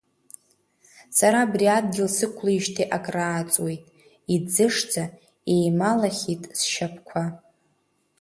Сара абри адгьыл сықәлеижьҭеи акрааҵуеит, иӡышӡа еималахьеит сшьапқәа.